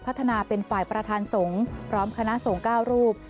พัฒนาเป็นฝ่ายประธานสงฆ์พร้อมคณะสงฆ์๙รูป